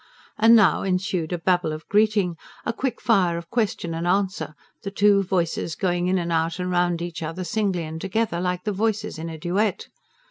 And now ensued a babel of greeting, a quick fire of question and answer, the two voices going in and out and round each other, singly and together, like the voices in a duet.